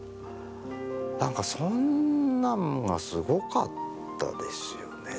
なんかそんなのがすごかったですよね。